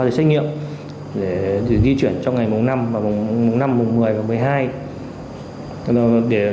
ba giấy xét nghiệm để di chuyển trong ngày mùng năm mùng một mươi và mùng một mươi hai